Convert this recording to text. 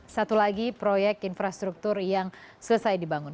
satu lagi proyek infrastruktur yang selesai dibangun